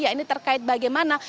ya ini terkait bagaimana